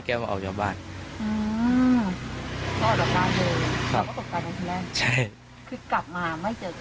คือกลับมาไม่เจอแก